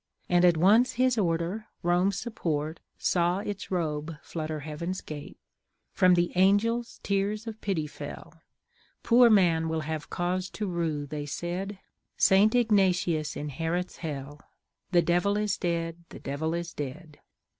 And at once his Order, Rome's support, Saw its robe flutter Heaven's gate. From the angel's tears of pity fell: Poor man will have cause to rue, they said; St. Ignatius inherits Hell. The Devil is dead! the Devil is dead!"